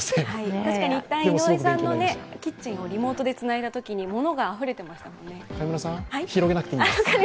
確かに１回、井上さんのキッチンをリモートでつなげたとき、物があふれてましたもんね。